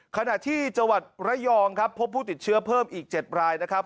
ขณะที่จังหวัดระยองครับพบผู้ติดเชื้อเพิ่มอีก๗รายนะครับ